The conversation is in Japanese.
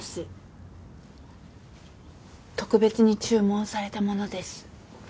特別に注文されたものです。